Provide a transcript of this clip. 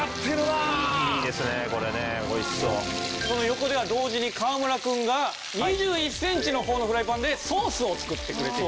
横では同時に川村君が２１センチの方のフライパンでソースを作ってくれています。